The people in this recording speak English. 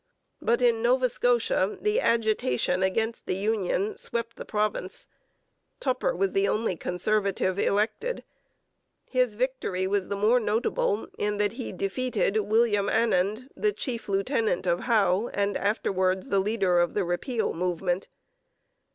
But in Nova Scotia the agitation against the union swept the province. Tupper was the only Conservative elected. His victory was the more notable in that he defeated William Annand, the chief lieutenant of Howe and afterwards the leader of the repeal movement.